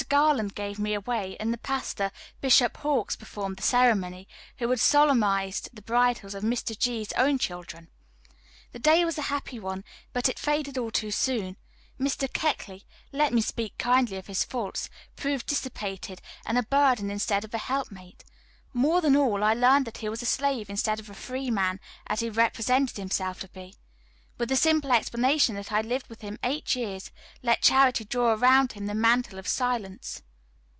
Garland gave me away, and the pastor, Bishop Hawks, performed the ceremony, who had solemnized the bridals of Mr. G.'s own children. The day was a happy one, but it faded all too soon. Mr. Keckley let me speak kindly of his faults proved dissipated, and a burden instead of a help mate. More than all, I learned that he was a slave instead of a free man, as he represented himself to be. With the simple explanation that I lived with him eight years, let charity draw around him the mantle of silence.